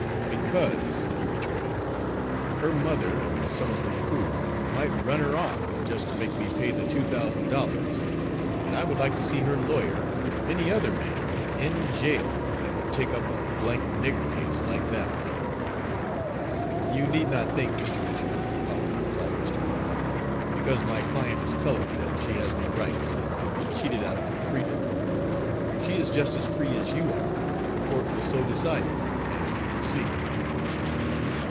"Because," he retorted, "her mother or some of her crew might run her off, just to make me pay the two thousand dollars; and I would like to see her lawyer, or any other man, in jail, that would take up a d nigger case like that." "You need not think, Mr. Mitchell," calmly replied Mr. Murdock, "because my client is colored that she has no rights, and can be cheated out of her freedom. She is just as free as you are, and the Court will so decide it, as you will see."